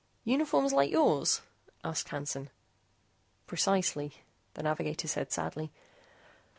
"Uniforms like yours?" asked Hansen. "Precisely," the navigator said sadly.